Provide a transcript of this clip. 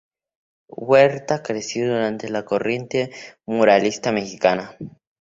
Huerta creció durante la corriente muralista mexicana.